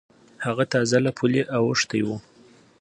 هغه تازه له پولې اوختی و.